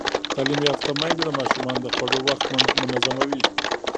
تعلیم یافته میندې د ماشومانو د خوړو وخت منظموي.